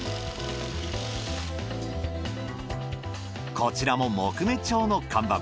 こちらも木目調の看板。